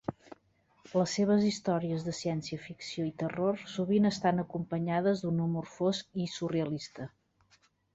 Les seves històries de ciència-ficció i terror sovint estan acompanyades d'un humor fosc i surrealista.